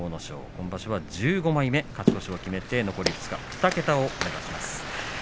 今場所は１５枚目、勝ち越しを決めて残り２日２桁を目指します。